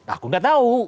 aku gak tau